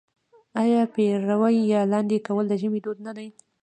آیا پېروی یا لاندی کول د ژمي دود نه دی؟